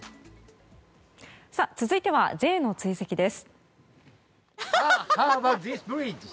続いてはＪの追跡です。